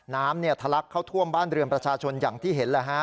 ทะลักเข้าท่วมบ้านเรือนประชาชนอย่างที่เห็น